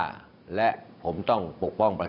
วันนี้นั้นผมจะมาพูดคุยกับทุกท่าน